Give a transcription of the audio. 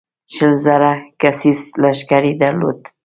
شل زره کسیز لښکر یې درلود.